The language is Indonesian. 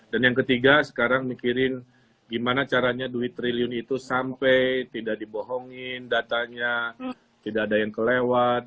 dan yang ketiga sekarang mikirin gimana caranya duit triliun itu sampai tidak dibohongin datanya tidak ada yang kelewat